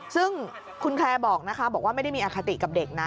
ซึ่งคุณแคร์บอกนะคะบอกว่าไม่ได้มีอคติกับเด็กนะ